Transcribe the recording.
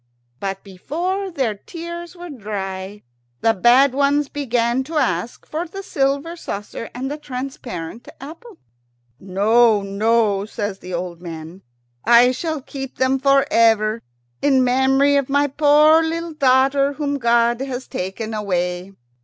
But before their tears were dry the bad ones began to ask for the silver saucer and the transparent apple. "No, no," says the old man; "I shall keep them for ever, in memory of my poor little daughter whom God has taken away."